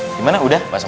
oh gimana udah mas